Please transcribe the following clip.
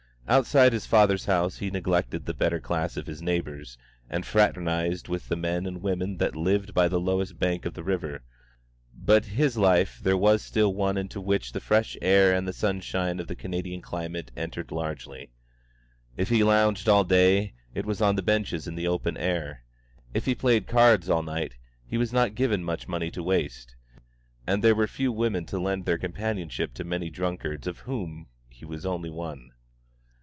Outside his father's house he neglected the better class of his neighbours, and fraternised with the men and women that lived by the lowest bank of the river; but his life there was still one into which the fresh air and the sunshine of the Canadian climate entered largely. If he lounged all day, it was on the benches in the open air; if he played cards all night, he was not given much money to waste; and there were few women to lend their companionship to the many drunkards of whom he was only one.